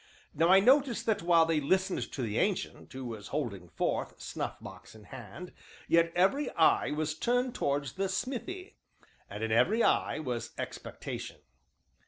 Now I noticed that while they listened to the Ancient, who was holding forth, snuff box in hand, yet every eye was turned towards the smithy, and in every eye was expectation.